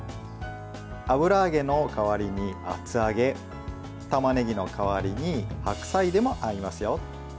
油揚げの代わりに厚揚げたまねぎの代わりに白菜でも合いますよ。